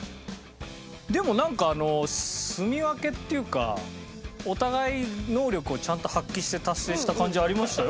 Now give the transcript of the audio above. でもなんかあのすみ分けっていうかお互い能力をちゃんと発揮して達成した感じありましたよ。